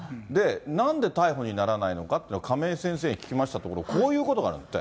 なんで逮捕にならないのかっていうのを、亀井先生に聞きましたところ、こういうことなんですって。